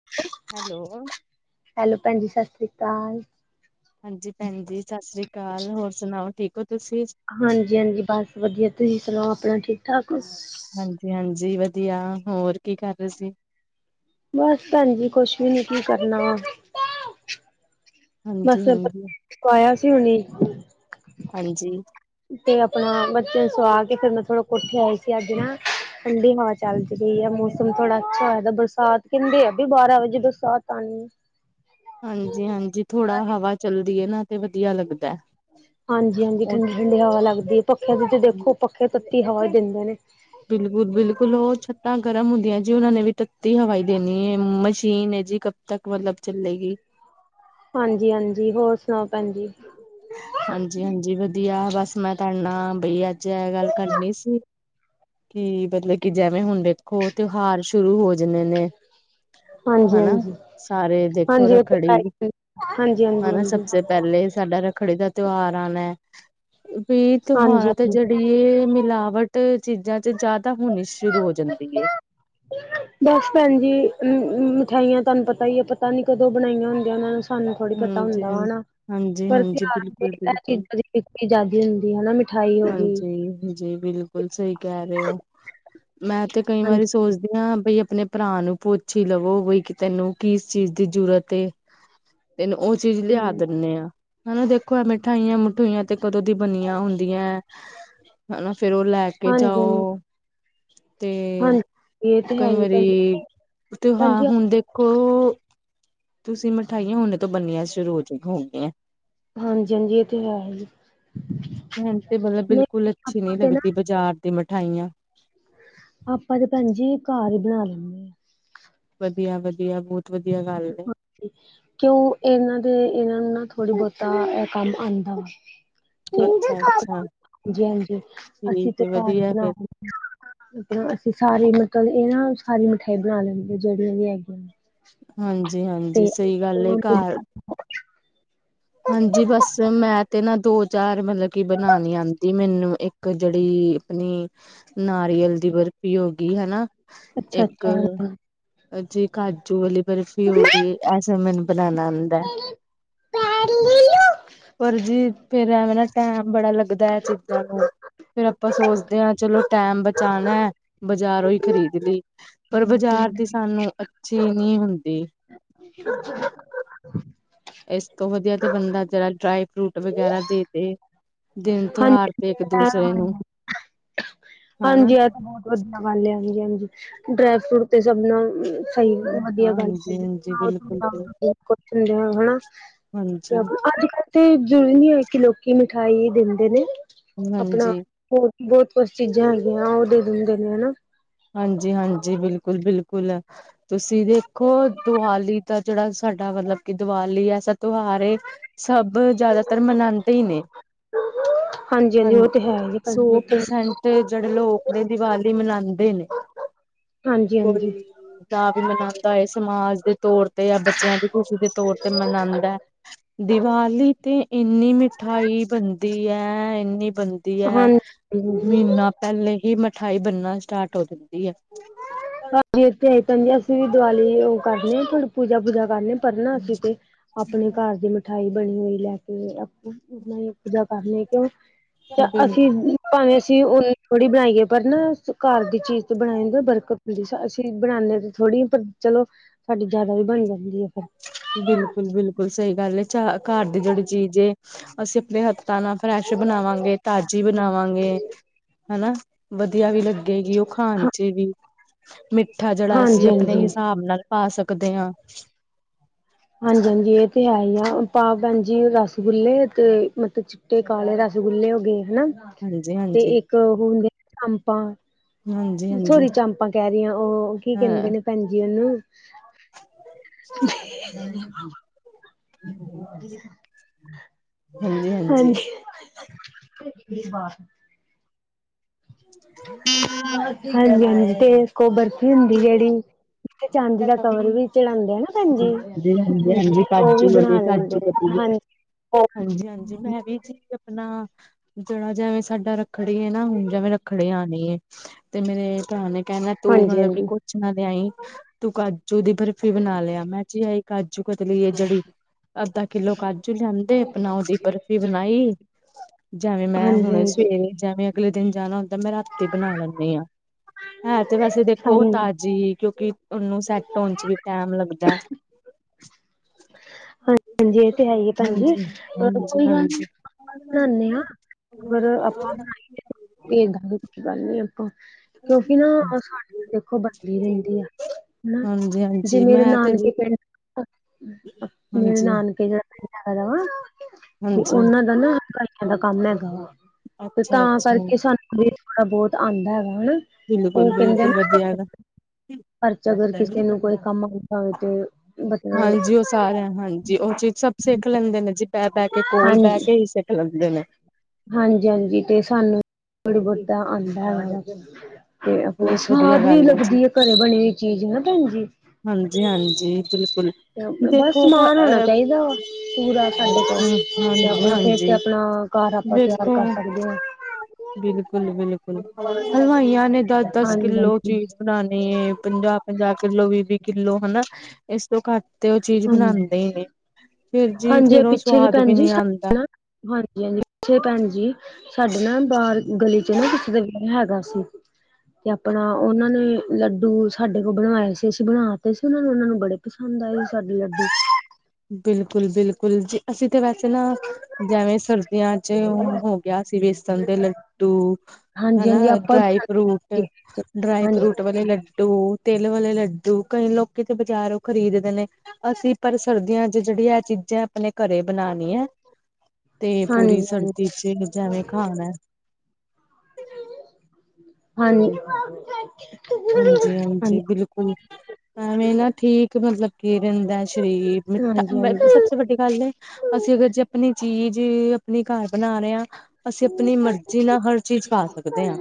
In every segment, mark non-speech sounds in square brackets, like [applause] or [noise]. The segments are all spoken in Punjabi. [inaudible] ਹੈਲੋ ਹੈਲੋ ਭੈਣ ਜੀ ਸਸ ਸ਼੍ਰੀ ਕਾਲ। ਹਾਂਜੀ ਭੈਣ ਜੀ ਸਸ ਸ੍ਰੀ ਕਾਲ, ਹੋਰ ਸੁਣਾਓ ਠੀਕ ਹੋ ਤੁਸੀਂ। ਹਾਂਜੀ ਹਾਂਜੀ! ਬਸ ਵਧੀਆ, ਤੁਸੀਂ ਸੁਣਾਓ ਆਪਣਾ ਠੀਕ ਠਾਕ। ਹਾਂਜੀ ਹਾਂਜੀ! ਵਧੀਆ, ਹੋਰ ਕੀ ਕਰ ਰਹੇ ਸੀ? ਬਸ ਭੈਣ ਜੀ, ਕੁਛ ਵੀ ਨੀ ਕੀ ਕਰਨਾ ਵਾ ਹਾਂਜੀ ਬਸ ਹਾਂਜੀ [unintelligible] ਪਇਆ ਸੀ ਹੁਣੇ ਹਾਂਜੀ। ਤੇ ਆਪਣਾ ਬੱਚਿਆਂ ਸੂਆ ਕੇ ਫੇਰ ਮੈਂ ਥੋੜਾ ਕੋਠੇ ਆਏ ਸੀ ਅੱਜ ਨਾ ਠੰਡੀ ਹਵਾ ਚੱਲਦੀ ਪਈ ਆ, ਮੌਸਮ ਥੋੜਾ ਅੱਛਾ ਹੋਇਆ ਦਾ, ਬਰਸਾਤ ਕਹਿੰਦੇ ਆ ਵੀ ਬਾਰਾਂ ਵਜੇ ਬਰਸਾਤ ਆਣੀ ਹਾਂਜੀ ਹਾਂਜੀ ਥੋੜਾ ਹਵਾ ਚਲਦੀ ਏ ਨਾ ਤੇ ਵਧੀਆ ਲੱਗਦੈ। ਹਾਂਜੀ ਹਾਂਜੀ ਠੰਢੀ ਠੰਢੀ ਹਵਾ ਲੱਗਦੀ, ਪੱਖਿਆਂ ਦੀ ਤੇ ਦੇਖੋ ਪੱਖੇ ਤੱਤੀ ਹਵਾ ਦਿੰਦੇ ਨੇ ਬਿਲਕੁਲ ਬਿਲਕੁਲ ਉਹ ਛੱਤਾਂ ਗਰਮ ਹੁੰਦੀਆਂ ਜੀ, ਉਹਨਾਂ ਨੇ ਵੀ ਤੱਤੀ ਹਵਾਈ ਈ ਦੇਣੀ ਏ, ਮਸ਼ੀਨ ਏ ਜੀ ਤੱਕ ਮਤਲਬ ਚੱਲੇਗੀ। ਹਾਂਜੀ ਹਾਂਜੀ! ਹੋਰ ਸੁਣਾਓ ਭੈਣ ਜੀ। ਹਾਂਜੀ ਹਾਂਜੀ ਵਧੀਆ, ਬਸ ਮੈਂ ਤੁਹਾਡੇ ਨਾਲ ਬਈ ਅੱਜ ਇਹ ਗੱਲ ਕਰਨੀ ਸੀ। ਕਿ ਮਤਲਬ ਕਿ ਜੈਵੇਂ ਹੁਣ ਦੇਖੋ ਤਿਉਹਾਰ ਸ਼ੁਰੂ ਹੋ ਜਣੇ ਨੇ ਹਾਂਜੀ ਹਨਾ ਹਾਂਜੀ ਸਾਰੇ ਦੇਖੋ ਹਾਂਜੀ ਉਹ ਤੇ ਹੈ ਰੱਖੜੀ ਹੀ। ਹਾਂਜੀ ਹਾਂਜੀ ਹਨਾ ਸਭ ਹਾਂਜੀ ਸੇ ਪੈਲੇ ਸਾਡਾ ਰੱਖੜੀ ਦਾ ਤਿਉਹਾਰ ਆਨੈ। ਵੇ ਹਾਂਜੀ ਤਿਉਹਾਰ ਤੇ ਜਿਹੜੀ ਇਹ ਮਿਲਾਵਟ ਤੇ ਚੀਜ਼ਾਂ ਚ ਜਾਦਾ ਹੋਣੀ ਸ਼ੁਰੂ ਹੋ ਜਾਂਦੀ ਏ। ਬਸ ਭੈਣ ਜੀ ਅਮ ਅਮ ਮਿਠਿਆਈਆਂ ਤੁਹਾਨੂੰ ਪਤਾ ਈ ਏ, ਪਤਾ ਨੀ ਕਦੋਂ ਬਣਾਈਆਂ ਹੁੰਦੀਆਂ ਉਹਨਾਂ ਨੇ। ਸਾਨੂੰ ਥੋੜੀ ਪਤਾ ਹਾਂਜੀ ਹੁੰਦਾ ਹ ਹਾਂ ਨਾ ਹਾਂਜੀ ਪਰ ਹਾਂਜੀ ਤਿਉਹਾਰ ਬਿਲਕੁਲ ਇਹ ਬਿਲਕੁਲ ਚੀਜ਼ਾਂ ਦੀ ਆਜ਼ਾਦੀ ਹੁੰਦੀ ਹ ਨਾ ਮਿੱ ਹਾਂਜੀ ਹਾਂਜੀ ਬਿਲਕੁਲ ਸਹੀ ਕਹਿ ਰਹੇ ਓ ਮੈਂ ਤੇ ਕਈ ਵਾਰੀ ਸੋਚਦੀ ਹਾਂ ਬਈ ਆਪਣੇ ਭਰਾ ਨੂੰ ਪੁੱਛ ਹੀ ਲਵੋ ਬਈ ਕਿ ਤੈਨੂੰ ਕਿਸ ਚੀਜ਼ ਦੀ ਜ਼ਰੂਰਤ ਏ ਤੈਨੂੰ ਉਹ ਚੀਜ਼ ਲਿਆ ਹਾਂਜੀ ਦਿੰਨੇ ਆ ਹਨਾ ਦੇਖੋ ਮਿਠਾਈਆਂ ਮਿਠੂਈਆਂ ਤੇ ਕਦੋਂ ਦੀ ਬਣੀਆਂ ਹੁੰਦੀ ਦੀਆਂ ਹਨਾ ਫਿਰ ਉਹ ਲੈ ਕੇ ਹਾਂਜੀ ਜਾਓ ਤੇ ਹਾਂਜੀ ਇਹ ਤੇ ਹੈ ਕਈ ਹੀ ਭੈਣ ਜੀ, ਵਾਰੀ ਭੈਣ ਤਿਉਹਾਰ ਜੀ ਹੁਣ ਦੇਖੋ ਤੁਸੀਂ ਮਿਠਾਈਆਂ ਹੁਣੇੇ ਤੋਂ ਬਣਨੀਆਂ ਸ਼ੁਰੂ ਚ ਹੋ ਗਈਆਂ ਹਾਂਜੀ ਹਾਂਜੀ ਇਹ ਤੇ ਹੈ ਹੀ ਮੈਨੂੰ ਤੇ ਮਤਲਬ ਨਹੀਂ ਬਿਲਕੁਲ ਅੱਛੀ ਨੀ ਆਪਾਂ ਤੇ ਨਾ ਲੱਗਦੀ ਬਾਜ਼ਾਰ ਦੀ ਮਿਠਾਈਆਂ ਆਪਾਂ ਤੇ ਭੈਣ ਜੀ ਘਰ ਈ ਬਣਾ ਲੈਂਨੇ ਆ ਵਧੀਆ ਵਧੀਆ ਬਹੁਤ ਵਧੀਆ ਗੱਲ ਐ [inaudible] ਕਿਉਂ ਇਹਨਾਂ ਦੇ ਇਹਨਾਂ ਨੂੰ ਨਾ ਥੋੜ੍ਹੀ ਬਹੁਤਾ ਇਹ ਕੰਮ ਆਦਾ ਵਾ ਅੱਛਾ-ਅੱਛਾ ਤੇ ਜੈ ਜੈ ਠੀਕ ਅਸੀਂ ਤੇ ਏ ਘਰ ਵਧੀਆ ਬਣਾ ਫਿਰ। ਅਸੀਂ ਸਾਰੇ ਲੋਕਾਂ ਇਹ ਨਾ ਸਾਰੀ ਮਿਠਾਈ ਬਣਾ ਲੈਂਦੇ ਜਿਹੜੀਆਂ ਵੀ ਹਾਂਜੀ ਹਾਂਜੀ ਤੇ ਸਹੀ ਗੱਲ ਏ ਘਰ ਹਾਂਜੀ ਬਸ ਮੈਂ ਤੇ ਨਾ ਦੋ ਚਾਰ ਮਤਲਬ ਕਿ ਬਣਾਣੀ ਆਉਂਦੀ ਮੈਨੂੰ ਇੱਕ ਇੱਕ ਜਿਹੜੀ ਆਪਣੀ ਨਾਰੀਅਲ ਦੀ ਬਰਫ਼ੀ ਹੋ ਗਈ ਹਨਾ ਅੱਛਾ ਅੱਛਾ ਜੇ ਕਾਜੂ ਵਾਲੀ ਬਰਫ਼ੀ ਹੋ ਗਈ ਇਹ ਸਭ ਮੈਨੂੰ ਬਣਾਣਾ ਆਦਾ [unintelligible] ਪਰ ਜੀ ਫੇਰ ਐਵੇਂ ਨਾ ਟੈਮ ਬੜਾ ਲੱਗਦਾ ਹੈ ਚੀਜ਼ਾਂ ਨੂੰ ਫਿਰ ਆਪਾਂ ਸੋਚਦੇ ਹਾਂ ਚਲੋ ਟੈਮ ਬਚਾਣਾ ਬਾਜ਼ਾਰੋਂ ਹੀ ਖਰੀਦ ਲਈ ਪਰ ਬਾਜ਼ਾਰ ਦੀ ਸਾਨੂੰ ਅੱਛੀ ਨੀ ਹੁੰਦੀ [inaudible] ਉਪਰ ਇਸ ਤੋਂ ਵਧੀਆ ਤੇ ਬੰਦਾ ਜਿਰਾ ਡਰਾਈ ਫਰੂਟ ਵਗੈਰਾ ਦੇ ਤੇ ਦਿਨ ਤਿਉਹਾਰ ਹਾਂਜੀ ਤੇ ਇੱਕ ਦੂਸਰੇ ਨੂੰ ਹਾਂਜੀ ਹਨਾ। ਹਾਂਜੀ ਤਾਂ ਵਧੀਆ ਗੱਲ ਹੈ ਹਾਂਜੀ ਹਾਂਜੀ ਡਰਾਈ ਫਰੂਟ ਤੇ ਸਭ ਨੂੰ ਸਹੀ ਵਧੀਆ ਗੱਲ ਐ ਹਾਂਜੀ ਹਾਂਜੀ ਬਿਲਕੁਲ ਬਿਲਕੁਲ [unintelligible] ਕੁੱਛ ਨੀ ਰਹਿਣਾ ਹਨਾ ਤੇ ਹਾਂਜੀ। ਆਪ ਅੱਜ ਕੱਲ ਤੇ ਜ਼ਰੂਰੀ ਨੀ ਹੈ ਕਿ ਲੋਕੀ ਮਿਠਾਈ ਦਿੰਦੇ ਨੇ ਆਪਣਾ ਹਾਂਜੀ ਹੋਰ ਬਹੁਤ ਕੁਛ ਚੀਜ਼ਾਂ ਹੈਗੀਆਂ ਉਹ ਦੇ ਦਿੰਦੇ ਨੇ ਹਨਾ ਹਾਂਜੀ ਹਾਂਜੀ ਬਿਲਕੁਲ ਬਿਲਕੁਲ ਤੁਸੀਂ ਦੇਖੋ ਦੀਵਾਲੀ ਦਾ ਜਿਹੜਾ ਸਾਡਾ ਮਤਲਬ ਕਿ ਦੀਵਾਲੀ ਐਸਾ ਤਿਉਹਾਰ ਏ ਸਭ ਜ਼ਿਆਦਾਤਰ ਮਨਾਦੇ ਹੀ ਨੇ ਹਾਂਜੀ-ਹਾਂਜੀ ਉਹ ਹਾਂਜੀ ਤੇ ਹੈ ਸੌ ਹੀ ਪ੍ਰਸੈਂਟ ਤੇ ਜਿਹੜੇ ਲੋਕ ਨੇ ਦੀਵਾਲੀ ਮਨਾਦੇ ਨੇ ਹਾਂਜੀ ਹਾਂਜੀ ਕੋਈ ਦਾ ਵੀ ਮਨਾਦਾ ਹੈ ਸਮਾਜ ਦੇ ਤੌਰ ਤੇ ਜਾਂ ਬੱਚਿਆਂ ਦੀ ਖੁਸ਼ੀ ਦੇ ਤੌਰ ਤੇ ਮਨਾਦਾ ਹੈ ਦੀਵਾਲੀ ਤੇ ਇੰਨੀ ਮਿਠਾਈ ਬਣਦੀ ਐ ਇੰਨੀ ਬਣਦੀ ਐ ਹਾਂਜੀ ਮਹੀਨਾ ਪਹਿਲੇ ਹੀ ਮਿਠਾਈ ਬਣਨਾ ਸਟਾਟ ਹੋ ਜਾਂਦੀ ਐ ਜਿਥੇ ਕਹਿੰਦਿਆਂ ਅਸੀਂ ਵੀ ਦੀਵਾਲੀ ਉਹ ਕਰਨੀ ਹੁਣ ਪੂਜਾ ਪੂਜਾ ਕਰਨੇ ਪਰਨਾ ਅਸੀਂ ਤੇ ਆਪਣੇ ਘਰ ਦੀ ਮਿਠਾਈ ਬਣੀ ਹੋਈ ਲੈ ਕੇ ਕੇ ਆਪ ਆਪ ਪੂਜਾ ਕਰਲੀ ਕਿਉਂ ਚ ਬਿਲ ਅਸੀਂ ਭਾਵੇਂ ਅਸੀ ਓਨ ਥੋੜੀ ਬਣਾਈਏ ਪਰ ਨਾ ਘਰ ਦੀ ਚੀਜ਼ ਤੇ ਬਣਾਈ ਦੇ ਬਰਕਤ ਹੁੰਦੀ। ਅਸੀ ਬਣਾਨੇ ਤੇ ਥੋੜੀ ਪਰ ਚਲੋ ਸਾਡੀ ਜਾਦਾ ਵੀ ਬਣ ਜਾਂਦੀ ਐ ਫੇਰ। ਬਿਲਕੁਲ ਬਿਲਕੁਲ ਸਈ ਗੱਲ ਏ, ਚ ਘਰ ਦੀ ਜੇੜੀ ਚੀਜ ਏ ਅਸੀ ਅਪਣੇ ਹੱਥਾਂ ਨਾਲ ਫਰੈਸ਼ ਬਨਾਵਾਂਗੇ ਤਾਜੀ ਬਨਾਵਾਂਗੇ। ਹੈਨਾ, ਵਧੀਆ ਵੀ ਲੱਗੇਗੀ ਓ ਖਾਨ ਚ ਵੀ। ਮਿੱਠਾ ਜੇੜਾ ਅਸੀ ਹਾਂਜੀ ਆਪਨੇ ਹਾਂਜੀ ਹਿਸਾਬ ਨਾਲ ਪਾ ਸਕਦੇ ਆਂ। ਹਾਂਜੀ ਹਾਂਜੀ ਐ ਤੇ ਹੈ ਈ ਆ। ਪਾ ਭੈਣਜੀ ਰਸਗੁੱਲੇ ਤੇ ਮਤ ਚਿੱਟੇ ਕਾਲੇ ਰਸਗੁੱਲੇ ਹੋਗੇ ਹਨਾ। ਹਾਂਜੀ ਹਾਂਜੀ। ਓ ਹੁੰਦੀਆਂ ਚਾਮਪਾਂ ਹਾਂਜੀ ਹਾਂਜੀ ਸੋਰੀ ਚਾਮਪਾਂ ਕੈ ਰੀਆਂ, ਓ ਕੀ ਕੇਂਦੇ ਹਾਂ ਨੇ ਭੈਣਜੀ ਓਨੂੰ। [unintelligible] [unintelligible] ਹਾਂਜੀ। ਦੀ ਬਾਤ। ਹਾਂਜੀ ਹਾਂਜੀ, ਤੇ ਏਕ ਓ ਬਰਫ਼ੀ ਹੁੰਦੀ ਜੇੜੀ ਜਿਤੇ ਚਾਂਦੀ ਦਾ ਹਾਂਜੀ ਕਵਰ ਵੀ ਚੜਾਂਦੇ ਐ ਨਾ ਭੈਣ ਜੀ ਹਾਂਜੀ ਹਾਂਜੀ ਓ ਵੀ ਕਾਜੂ ਵਾਲੇ ਬਣਾ ਲੈਂਦੇ ਕਾਜੂ ਨੇ। ਕਤਲੀ ਹਾਂਜ ਹਾਂਜੀ ਹਾਂਜੀ, ਮੈਂ ਵੀ ਜੀ ਅਪਣਾ ਜੇੜਾ ਜੈਵੇਂ ਸਾਡਾ ਰਖ ਰੱਖੜੀ ਐ ਨਾ ਹੁਨ ਜੈਵੇਂ ਰੱਖੜੀ ਆਣੀ ਏ। ਤੇ ਮੇਰੇ ਭਰਾ ਨੇ ਕੈਣਾ ਤੂੰ ਹਾਂਜੀ ਮਤਲਬ ਕਿ ਹਾਂਜੀ ਕੁਛ ਨਾ ਲਿਆਈਂ। ਤੂੰ ਕਾਜੂ ਦੀ ਬਰਫ਼ੀ ਬਨਾ ਲੇਆ। ਮੈਂ ਜੀ ਆਈ ਕਾਜੂ ਕਤਲੀ ਏ ਜੇੜੀ ਅੱਧਾ ਕਿਲੋ ਕਾਜੂ ਲਿਆਂਦੇ ਅਪਨਾ ਓਦੀ ਬਰਫ਼ੀ ਬਨਾਈ। ਜੈਵੇਂ ਮੈਂ ਹਾਂਜੀ ਹੁਣੇ ਸਵੇ ਰੇ ਜੈਵੇਂ ਅਗਲੇ ਦਿਨ ਜਾਣਾ ਹੁੰਦਾ ਐ ਮੈਂ ਰਾਤੀ ਬਨਾ ਲੈਂਨੀ ਆਂ। ਹੈ ਤੇ ਵੈਸੇ ਦੇਖੋ ਹਾਂਜੀ ਹਾਂਜੀ ਤਾਜੀ ਕਓਂਕਿ ਓਨੂੰ ਸੈਟ ਹੋਨ ਚ ਵੀ ਟੈਮ ਲੱਗਦਾ ਐ। ਹਾਂਜੀ-ਹਾਂਜੀ ਐਤੇ ਹੈ ਈ ਏ ਭੈਣ ਜੀ ਹਾਂਜੀ, ਕੋਈ ਗੱਲ ਹਾਂਜੀ। ਬਨਾਨੇ ਆਂ ਪਰ ਆਪਾਂ ਏਦਾਂ [unintelligible] ਨੀ ਆਪਾਂ ਕਿਉਂਕਿ ਨਾ ਸਾਡੇ ਦੇਖੋ ਬਨਦੀ ਰੇਂਦੀ ਐ ਹਨਾ ਹਾਂਜੀ, ਜੇ ਹਾਂਜੀ ਮੇਰੇ ਮੈਂ ਤੇ ਨਾਨਕੇ ਜੀ ਪਿੰਡ ਮੇਰੇ ਹਾਂਜੀ, ਨਾਨਕੇ ਜਾ ਰਵਾ ਤੇ ਹਾਂਜੀ ਓਨਾਂ ਦਾ ਆਈਆਂ ਦਾ ਕੰਮ ਹੈਗਾ ਵਾ। ਤੇ ਅੱਛਾ, ਤਾਂ ਅੱਛਾ ਕਰਕੇ ਸਾਨੂੰ ਵੀ ਥੋੜਾ ਬੋਤ ਆਂਦਾ ਹੈਗਾ ਨਾ ਓ ਬਿਲਕੁਲ, ਕੇਂਦੇ ਬਿਲਕੁਲ ਨਾ ਵਧੀਆ ਗਾ। ਘਰ ਚ ਅਗਰ ਕਿਸੇ ਨੂੰ ਕੋਈ ਕੰਮ ਆ ਆਵੇ ਤੇ ਮਤਲਬ ਹਾਂਜੀ, ਓ ਸਾਰੇਆਂ ਹਾਂਜੀ ਓ ਚੀਜ਼ ਸਭ ਸਿੱਖ ਲੈਂਦੇ ਨੇ ਜੀ ਬੈ ਬੈ ਕੇ ਕੋਲ ਬੈ ਕੇ ਈ ਸਿੱਖ [unintelligible] ਹਾਂਜੀ ਹਾਂਜੀ ਤੇ ਸਾਨੂੰ। ਥੋੜੀ ਬੋਤਾ ਆਂਦਾ ਵਾ, ਤੇ ਅਪਨਾ ਬਹੁਤ ਵਧੀਆ ਸਵਾਦ ਵੀ ਗੱਲ ਹੈ ਜੀ। ਲੱਗਦੀ ਏ ਘਰੇ ਬਣੀ। ਚੀਜ਼ ਨਾ ਭੈਣਜੀ। ਹਾਂਜੀ-ਹਾਂਜੀ ਬਿਲਕੁਲ। ਤੇ ਬਸ ਦੇਖੋ ਅ ਸਮਾਨ ਹੋਣਾ ਚਾਹੀਦਾ ਵਾ ਪੂਰਾ ਸਾਡੇ ਕੋਲ। ਤੇ ਹਾਂਜੀ ਆਪਣਾ ਫੇਰ ਹਾਂਜੀ। ਤੇ ਆਪਣਾ ਘਰ ਆਪਾਂ ਤਿਆਰ ਦੇਖੋ। ਕਰ ਸਕਦੇ ਹਾਂ। ਬਿਲਕੁਲ ਬਿਲਕੁਲ, ਹਲਵਾਈਆਂ ਨੇ ਦਸ-ਦਸ ਕਿੱਲੋ ਚੀ ਹਾਂਜੀ-ਹਾਂਜੀ, ਬਨਾਨੀ ਪੰਜਾ-ਪੰਜਾ ਕਿੱਲੋ ਵੀ-ਵੀ ਕਿੱਲੋ ਹਨਾ। ਇਸ ਤੋਂ ਘੱਟ ਤੇ ਉਹ ਚੀਜ਼ ਹਾਂਜੀ, ਹਾਂਜੀ ਬਣਾਂਦੇ ਨੇ, ਫਿਰ ਜੀ ਫੇਰ ਉਹ ਸਵਾਦ ਵੀ ਨੀ ਆਂਦਾ। ਹਾਂਜੀ ਹਾਂਜੀ [inaudible] ਭੈਣ ਜੀ। ਸਾਡੇ ਨਾ ਬਾਹਰ ਗਲੀ 'ਚ ਨਾ ਕਿਸੇ ਦੇ ਹੈਗਾ ਸੀ। ਤੇ ਆਪਣਾ ਉਹਨਾਂ ਨੇ ਲੱਡੂ ਸਾਡੇ ਕੋਲ ਬਣਵਾਏ ਸੀ, ਅਸੀਂ ਬਣਾ ਤੇ ਸੀ, ਉਹਨਾਂ ਨੂੰ ਉਹਨਾਂ ਨੂੰ ਬੜੇ ਪਸੰਦ ਆਏ ਸੀ। ਸਾਡੇ ਲੱਡੂ। ਬਿਲਕੁਲ ਬਿਲਕੁਲ ਜੀ, ਅਸੀਂ ਤਾਂ ਵੈਸੇ ਨਾ ਜਿਵੇਂ ਸਰਦੀਆਂ ਚ ਉਹ ਹੋ ਗਿਆ ਸੀ ਵੇਸਣ ਦੇ ਲੱਡੂ ਹਾਂਜੀ ਹਨਾ ਹਾਂਜੀ ਆਪਾਂ ਵੀ ਡਰਾਈ ਫਰੂਟ, ਬਣਾਉਂਦੇ ਸੀ। ਡਰਾਈ ਹਾਂਜੀ ਫਰੂਟ ਵਾਲੇ ਲੱਡੂ, ਤਿਲ ਵਾਲੇ ਲੱਡੂ, ਕਈ ਲੋਕੀ ਤੇ ਬਾਜ਼ਾਰੋ ਖਰੀਦਦੇ ਨੇ ਅਸੀਂ ਪਰ ਸਰਦੀਆਂ 'ਚ ਜਿਹੜੀ ਐ ਚੀਜ਼ਾਂ ਆਪਣੇ ਘਰੇ ਬਣਾਣੀਆ। ਤੇ ਪੂਰੀ ਹਾਂਜੀ ਹਾਂਜੀ ਸਰਦੀ ਚ ਜਿਵੇਂ ਖਾਣਾ। ਹਾਂਜੀ। ਹਾਂਜੀ ਹਾਂਜੀ ਬਿਲਕੁਲ, ਐਵੇਂ ਨਾ ਠੀਕ ਮਤਲਬ ਕੀ ਰਹਿੰਦਾ ਸਰੀਰ ਹਾਂਜੀ ਮਿੱਠਾ ਸਭ ਸੇ ਵੱਡੀ ਗੱਲ ਐ ਅਸੀਂ ਅਗਰ ਜੇ ਆਪਣੀ ਚੀਜ਼ ਆਪਣੇ ਘਰ ਬਣਾ ਰਹੇ ਆ, ਅਸੀਂ ਆਪਣੀ ਮਰਜ਼ੀ ਨਾਲ ਹਰ ਚੀਜ਼ ਖਾ ਸਕਦੇ ਆ।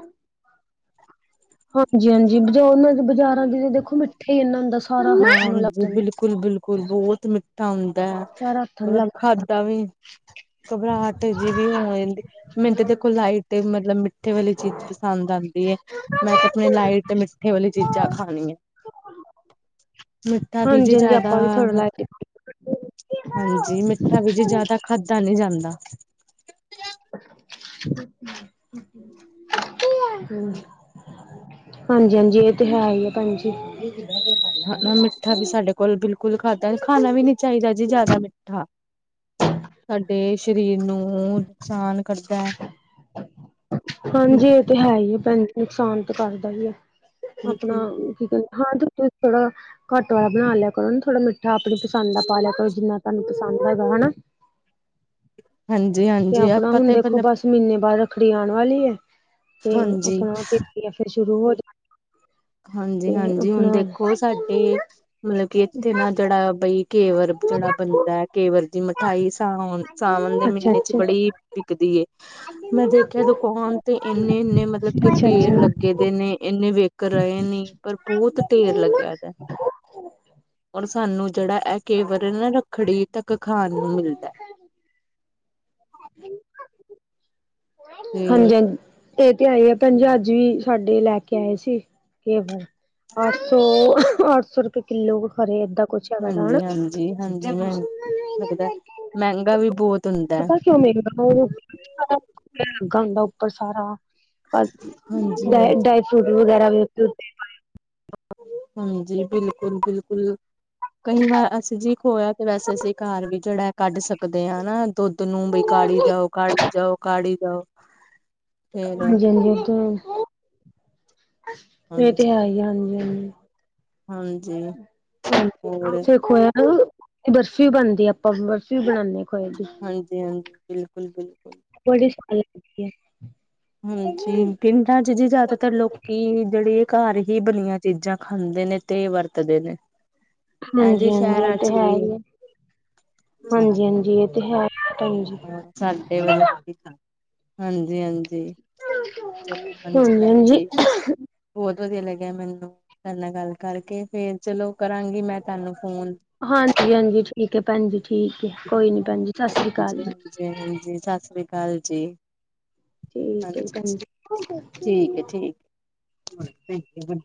ਹਾਂਜੀ ਹਾਂਜੀ ਜੋ ਉਹਨਾਂ ਦੇ ਬਾਜ਼ਾਰਾਂ ਵਿਚ ਦੇਖੋ ਨਾ ਮਿੱਠੇ ਇੰਨਾ ਹੁੰਦਾ। ਸਾਰਾ ਹੱਥਾਂ ਨੂੰ ਲੱਗ ਹਾਂਜੀ, ਜਾਂਦਾ ਬਿਲਕੁਲ ਬਿਲਕੁਲ ਬਹੁਤ ਮਿੱਠਾ ਹੁੰ ਹੁੰਦਾ ਐ, ਸਾਰਾ ਹੱਥਾਂ ਨੂੰ ਮਤਲਬ ਲੱਗ ਖਾਧਾ ਵੀ ਘਬਰਾਹਟ ਜੀ ਵੀ ਹੋ ਜਾਂਦੀ, ਮੈਨੂੰ ਤਾਂ ਦੇਖੋ ਲਾਈਟ ਤੇ ਮਤਲਬ ਮਿੱਠੇ ਵਾਲੀ ਚੀਜ਼ ਪਸੰਦ ਆਂਦੀ ਐ, ਮੈਂ ਤੇ ਆਪਣੇ ਲਾਈਟ ਮਿੱਠੇ ਵਾਲੀ ਚੀਜ਼ਾਂ ਖਾਣੀਆਂ। ਵੀ ਜੇ ਹਾਂਜੀ ਹਾਂਜੀ ਜ਼ਿਆਦਾ ਆਪਾਂ ਵੀ ਥੋੜਾ ਲਾਇਟ ਹਾਂਜੀ ਮਿੱਠਾ ਵੀ ਜੀ ਜਿਆਦਾ ਖਾਧਾ ਨਹੀਂ ਜਾਂਦਾ। [unintelligible] ਹਾਂਜੀ ਹਾਂਜੀ ਏ ਤੇ ਹੈ ਹੀ ਆ ਭੈਣ ਜੀ। ਹਾ ਮਿੱਠਾ ਵੀ ਸਾਡੇ ਕੋਲ ਬਿਲਕੁਲ ਖਾਧਾ ਖਾਣਾ ਵੀ ਨੀ ਚਾਹੀਦਾ ਜੀ ਜ਼ਿਆਦਾ ਮਿੱਠਾ। ਸਾਡੇ ਸਰੀਰ ਨੂੰ ਨੁਕਸਾਨ ਕਰਦਾ ਐ। ਹਾਂਜੀ ਏ ਤੇ ਹੈ ਹੀ ਭੈਣ ਜੀ ਨੁਕਸਾਨ ਤਾਂ ਕਰਦਾ ਈ ਐ। ਆਪਣਾ ਬਿਲਕੁਲ ਕੀ ਕਹਿੰਦੇ ਹਾਂ ਤੇ ਤੁਸੀਂ ਥੋੜਾ ਘੱਟ ਵਾਲਾ ਬਣਾ ਲਿਆ ਕਰੋ ਨਾ ਥੋੜਾ ਮਿੱ ਮਿੱਠਾ ਆਪਣੀ ਪਸੰਦ ਦਾ ਪਾ ਲਿਆ ਕਰੋ ਜਿੰਨਾ ਤੁਹਾਨੂੰ ਪਸੰਦ ਹੈਗਾ ਹਨਾ। ਹਾਂਜੀ। ਤੇ ਹਾਂਜੀ ਆਪਣਾ ਆਪਾਂ ਹੁਣ ਤੇ ਦੇਖੋ ਮਤਲਬ ਬਸ ਮਹੀਨੇ ਬਾਅਦ ਰੱਖੜੀ ਆਣ ਵਾਲੀ ਐ। ਤੇ ਹਾਂਜੀ ਆਪਣਾ ਤੇ [inaudible] ਫਿਰ ਸ਼ੁਰੂ ਹੋ ਜਾਣਾ। ਹਾਂਜੀ ਹਾਂਜੀ ਹੁਣ ਦੇਖੋ ਸਾਡੇ ਮਤਲਬ ਕਿ ਇੱਥੇ ਨਾ ਜਿਹੜਾ ਬਾਈ ਕੇਵਰ ਜਿਹੜਾ ਬੰਦਾ ਐ ਕੇਵਰ ਦੀ ਮਿਠਾਈ ਸਾਨੂੰ ਸਾਵਣ ਦੇ ਅੱਛਾ ਮਹੀਨੇ ਚ ਅੱਛਾ ਬੜੀ ਵਿਕਦੀ ਏ। ਮੈਂ ਦੇਖਿਆ ਦੁਕਾਨ ਤੇ ਇੰਨੇ ਇੰਨੇ ਮਤਲਬ ਕਿ ਅੱਛਾ ਢੇਰ ਅੱਛਾ ਲੱਗ ਦੇ ਨੇ ਇੰਨੇ ਵੇਖ ਕਰਾਏ ਨੀ ਪਰ ਬਹੁਤ ਢੇਰ ਲੱਗਿਆ ਦਾ, ਔਰ ਸਾਨੂੰ ਜਿਹੜਾ ਐ ਕੇਵਰ ਆ ਨਾ ਰੱਖੜੀ ਤੱਕ ਖਾਣ ਨੂੰ ਮਿਲਦਾ। ਤੇ ਹਾਂਜੀ ਹਾਂਜੀ। ਦੇ ਤੇ ਆਈ ਆ ਭੈਣ ਜੀ ਅੱਜ ਵੀ ਸਾਡੇ ਲੈ ਕੇ ਆਏ ਸੀ ਕੇਵਰ ਸੋ ਅੱਠ ਸੌ ਰੁਪਏ ਕਿੱਲੋ ਖਰੇ ਏਦਾਂ। ਕੁਛ ਹੈਗਾ ਦਾ ਹਨਾ ਹਾਂਜੀ ਹਾਂਜੀ ਹਾਂਜੀ ਹੋ ਸਕਦਾ ਮਹਿੰਗਾ ਵੀ ਬਹੁਤ ਹੁੰਦਾ। ਪਤਾ ਕਿਉਂ ਮਹਿੰਗਾ [inaudible] ਲੱਗਾ ਹੁੰਦਾ ਉੱਪਰ ਸਾਰਾ। ਅ ਹਾਂਜੀ-ਹਾਂਜੀ, ਡਰਾਈ ਫਰੂਟ ਵਗੈਰਾ ਵੀ ਉੱਤੇ ਉੱਤੇ ਹਾਂਜੀ ਬਿਲਕੁਲ ਬਿਲਕੁਲ। ਕਈ ਵਾਰ ਅਸੀਂ ਜੀ ਖੋਇਆ ਤੇ ਵੈਸੇ ਅਸੀਂ ਘਰ ਵੀ ਜਿਹੜਾ ਕੱਢ ਸਕਦੇ ਆ ਦੁੱਧ ਨੂੰ ਵੀ ਕਾੜੀ ਜਾਓ ਕਾੜੀ ਜਾਓ ਕਾੜੀ ਜਾਓ। ਫੇਰ ਹਾਂਜੀ-ਹਾਂਜੀ ਉਹ ਇਹ ਤੇ ਹਾਂਜੀ ਹੈ ਈ ਐ ਹਾਂਜੀ ਹਾਂਜੀ। ਹਾਂਜੀ ਹੋਰ [unintelligible] ਨਾ ਬਰਫ਼ੀ ਬਣਦੀ ਐ ਆਪਾਂ ਬਰਫ਼ੀ ਬਣਾਦੇ ਆ ਖੋਏ ਦੀ। ਹਾਂਜੀ-ਹਾਂਜੀ, ਬਿਲਕੁਲ-ਬਿਲਕੁਲ। ਬੜੀ ਸਬਾਦ ਲੱਗਦੀ ਆ। ਹਾਂਜੀ ਪਿੰਡਾਂ ਚ ਜੀ ਜ਼ਿਆਦਾਤਰ ਲੋਕੀ ਜਿਹੜੇ ਘਰ ਹੀ ਬਣੀਆਂ ਚੀਜ਼ਾਂ ਖਾਂਦੇ ਨੇ ਤੇ ਵਰਤਦੇ ਨੇ। ਇਹ ਹਾਂਜੀ ਜੀ ਹਾਂਜੀ ਇਹ ਸ਼ਹਿਰਾਂ ਤਾਂ ਚ ਹੈ ਹੀ ਈ ਐ। ਹਾਂਜੀ ਹਾਂਜੀ ਇਹ ਤੇ ਹੈ ਭੈਣ ਜੀ। ਸਾਡੇ [unintelligible] ਹਾਂਜੀ ਹਾਂਜੀ। ਚਲੋ ਹਾਂਜੀ ਭੈਣ ਜੀ ਹਾਂਜੀ-ਹਾਂਜੀ, ਬਹੁਤ ਵਧੀਆ ਲੱਗਿਆ ਇਹਨਾ ਨੂੰ ਤਾਂ ਪਹਿਲਾ ਗੱਲ ਕਰਕੇ ਫੇਰ ਚਲੋ ਕਰਾਂਗੀ ਮੈਂ ਤੁਹਾਨੂੰ ਫੋਨ। ਹਾਂਜੀ ਹਾਂਜੀ ਠੀਕ ਐ ਭੈਣ ਜੀ ਠੀਕ ਐ ਕੋਈ ਨੀ ਭੈਣ ਜੀ ਸਾਸਰੀ ਕਾਲ ਹਾਂਜੀ ਜੀ। ਹਾਂਜੀ ਹਾਂਜੀ ਸਾਸਰੀ ਕਾਲ ਜੀ। ਠੀਕ ਹੈ ਹਾਂਜੀ ਭੈਣ ਜੀ, ਠੀਕ ਆ ਠੀਕ ਆ [unintelligible]